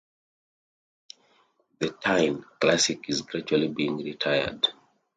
The "Tyne" class is gradually being retired.